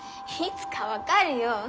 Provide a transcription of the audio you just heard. いつか分かるよ。